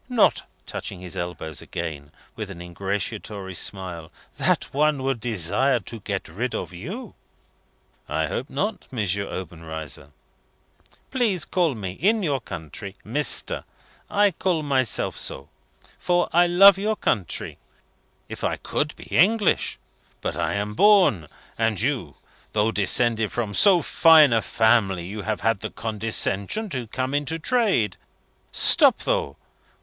Not," touching his elbows again, with an ingratiatory smile, "that one would desire to get rid of you." "I hope not, M. Obenreizer." "Please call me, in your country, Mr. I call myself so, for I love your country. If I could be English! But I am born. And you? Though descended from so fine a family, you have had the condescension to come into trade? Stop though.